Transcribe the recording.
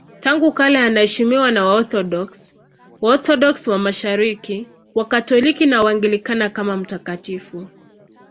Tangu kale anaheshimiwa na Waorthodoksi, Waorthodoksi wa Mashariki, Wakatoliki na Waanglikana kama mtakatifu.